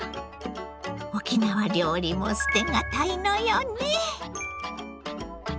沖縄料理も捨てがたいのよね。